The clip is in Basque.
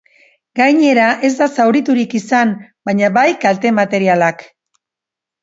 Gainera, ez da zauriturik izan, baina bai kalte materialak.